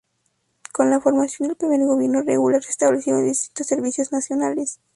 Con la formación del primer Gobierno Regular se establecieron distintos Servicios Nacionales.